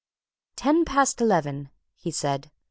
"Ten past eleven," he said.